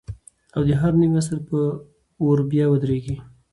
او د هر نوي عصر پر ور بیا ودرېږي